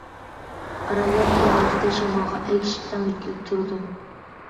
ئاراللار كۆل يۈزىدە شامالغا ئەگىشىپ تەڭ يۆتكىلىپ تۇرىدۇ.